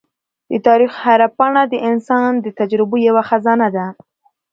د تاریخ هره پاڼه د انسان د تجربو یوه خزانه ده.